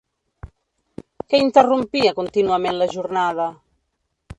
Què interrompia contínuament la jornada?